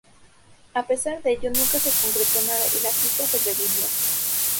A pesar de ello nunca se concretó nada y la pista sobrevivió.